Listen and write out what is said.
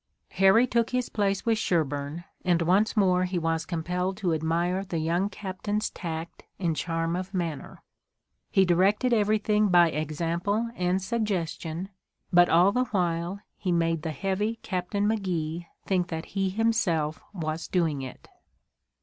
Harry took his place with Sherburne, and once more he was compelled to admire the young captain's tact and charm of manner. He directed everything by example and suggestion, but all the while he made the heavy Captain McGee think that he himself was doing it.